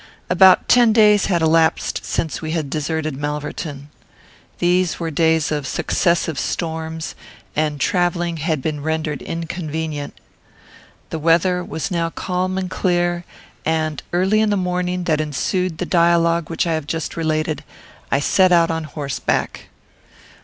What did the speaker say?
About ten days had elapsed since we had deserted Malverton. These were days of successive storms, and travelling had been rendered inconvenient. The weather was now calm and clear, and, early in the morning that ensued the dialogue which I have just related, I set out on horseback.